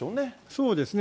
そうですね。